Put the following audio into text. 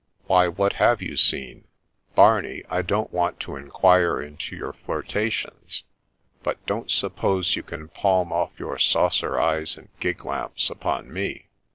Why, what have you seen ?— Barney, I don't want to inquire into your flirtations ; but don't suppose you can palm off your saucer eyes and gig lamps upon me